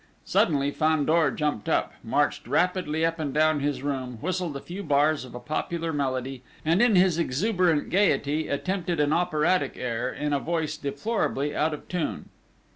Suddenly Fandor jumped up, marched rapidly up and down his room, whistled a few bars of a popular melody, and in his exuberant gaiety attempted an operatic air in a voice deplorably out of tune.